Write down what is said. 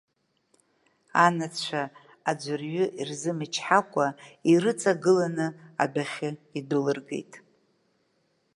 Анацәа аӡәырҩы ирзымчҳакәа, ирыҵагыланы адәахьы идәылыргеит.